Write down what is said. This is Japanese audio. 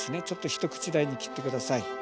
ちょっと一口大に切って下さい。